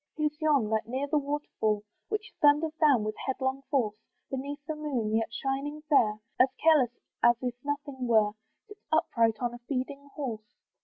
Who's yon, that, near the waterfall, Which thunders down with headlong force, Beneath the moon, yet shining fair, As careless as if nothing were, Sits upright on a feeding horse?